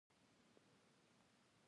ایا زما لمونځ کیږي که کیناستلی نشم؟